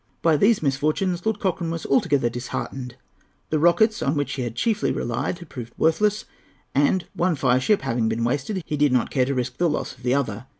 By these misfortunes Lord Cochrane was altogether disheartened. The rockets, on which he had chiefly relied, had proved worthless, and, one fireship having been wasted, he did not care to risk the loss of the other.